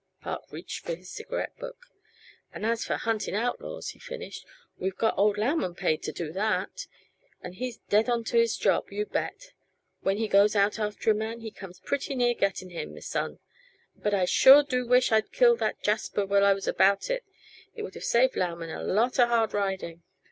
Park reached for his cigarette book. "And as for hunting outlaws," he finished, "we've got old Lauman paid to do that. And he's dead onto his job, you bet; when he goes out after a man he comes pretty near getting him, m'son. But I sure do wish I'd killed that jasper while I was about it; it would have saved Lauman a lot uh hard riding."